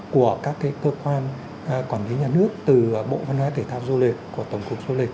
của các cơ quan quản lý nhà nước từ bộ văn hóa thể thao du lịch của tổng cục du lịch